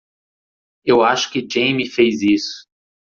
Eu acho que Jamie fez isso.